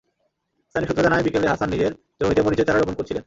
স্থানীয় সূত্র জানায়, বিকেলে হাসান নিজের জমিতে মরিচের চারা রোপণ করছিলেন।